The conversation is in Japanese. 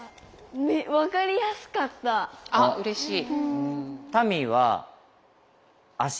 あっうれしい。